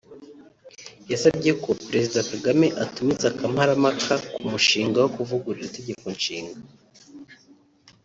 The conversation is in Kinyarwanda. yasabye ko Perezida Kagame atumiza Kamparampaka k’umushinga wo kuvugurura itegekonshinga